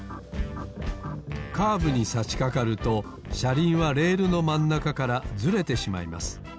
カーブにさしかかるとしゃりんはレールのまんなかからずれてしまいます。